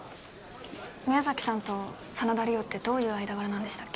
宮崎さんと真田梨央ってどういう間柄なんでしたっけ？